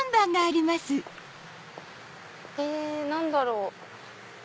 え何だろう？